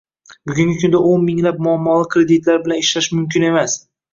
Bugungi kunda o'n minglab muammoli kreditlar bilan ishlash mumkin emas